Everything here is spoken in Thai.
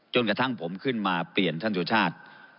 จนกระทั่งผมขึ้นมาเปลี่ยนท่านสุชาติ